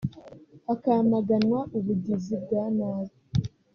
hakamaganwa ubugizi bwa nabi